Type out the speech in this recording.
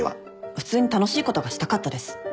普通に楽しいことがしたかったです。